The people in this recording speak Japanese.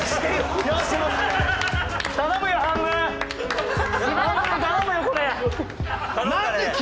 半分頼むよこれ。